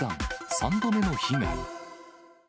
３度目の被害。